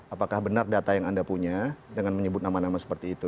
apakah benar data yang anda punya dengan menyebut nama nama seperti itu